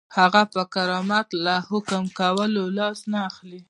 هغه پر کرامت له حکم کولو لاس نه اخلي.